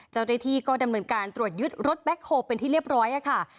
เจ้าหน้าที่ก็ดำเนินการตรวจยึดรถแบ็คโฮลเป็นที่เรียบร้อยค่ะ